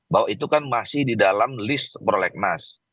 bahwa itu kan masih di dalam list prolegnas